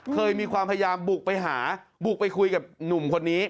เคยมีความพยายามบุกไปหาบุกไปคุยกับหนุ่มคนนี้